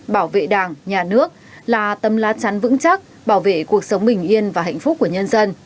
bảo vệ đảng nhà nước là tâm lá chắn vững chắc bảo vệ cuộc sống bình yên và hạnh phúc của nhân dân